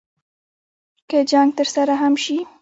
که جنګ ترسره هم شي.